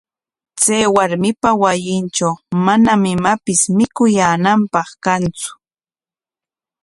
Chay warmipa wasintraw manam imapis mikuyaananpaq kantsu.